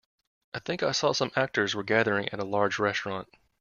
I think I saw some actors were gathering at a large restaurant.